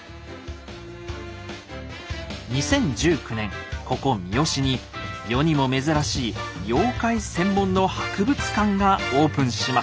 ２０１９年ここ三次に世にも珍しい妖怪専門の博物館がオープンしました。